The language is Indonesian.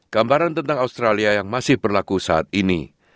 gambaran tentang australia yang masih berlaku saat ini